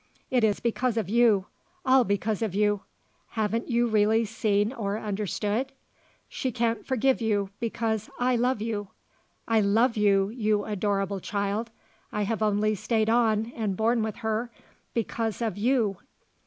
It is because of you; all because of you. Haven't you really seen or understood? She can't forgive you because I love you. I love you, you adorable child. I have only stayed on and borne with her because of you!"